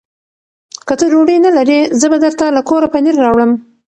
که ته ډوډۍ نه لرې، زه به درته له کوره پنېر راوړم.